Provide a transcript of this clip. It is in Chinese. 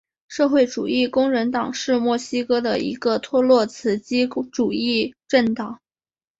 社会主义工人党是墨西哥的一个托洛茨基主义政党。